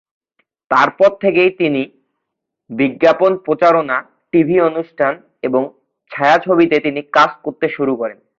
তারপর থেকেই বিভিন্ন বিজ্ঞাপন প্রচারণা, টিভি অনুষ্ঠান এবং ছায়াছবিতে তিনি কাজ করতে শুরু করেন।